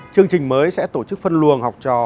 chương trình mới sẽ tổ chức phân luồng học trò